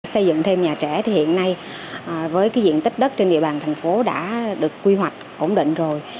xây dựng thêm nhà trẻ thì hiện nay với cái diện tích đất trên địa bàn thành phố đã được quy hoạch ổn định rồi